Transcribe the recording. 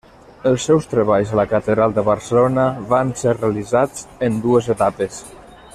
Els seus treballs a la catedral de Barcelona van ser realitzats en dues etapes.